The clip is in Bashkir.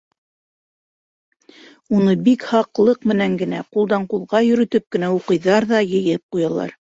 Уны бик һаҡлыҡ менән генә, ҡулдан ҡулға йөрөтөп кенә уҡыйҙар ҙа йыйып ҡуялар.